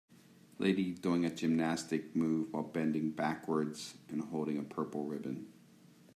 Lady doing a gymnastic move while bending backwards and holding a purple ribbon.